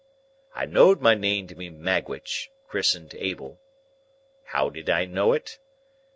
"I know'd my name to be Magwitch, chrisen'd Abel. How did I know it?